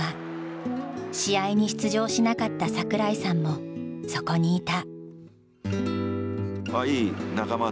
試合に出場しなかった桜井さんもそこにいた。